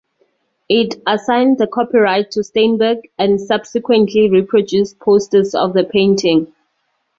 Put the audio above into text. It assigned the copyright to Steinberg and subsequently reproduced posters of the painting.